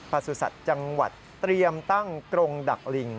สุสัตว์จังหวัดเตรียมตั้งกรงดักลิง